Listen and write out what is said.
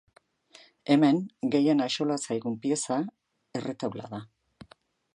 Hemen gehien axola zaigun pieza erretaula da.